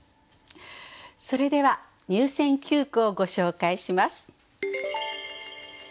それでは入選九句をご紹介します。